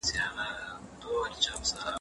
که ساحې ته ولاړ شو نو کره معلومات به راټول کړو.